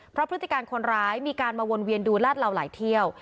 เพราะพฤติการคนร้ายมีการมาวนเวียนดูลาดเหล่าหลายเที่ยว